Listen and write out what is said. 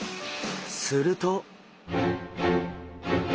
すると。